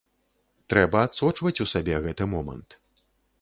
Трэба адсочваць у сабе гэты момант.